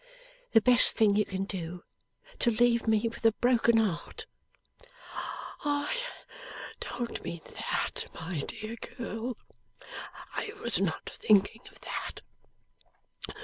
'The best thing you can do, to leave me with a broken heart?' 'I don't mean that, my dear girl. I was not thinking of that.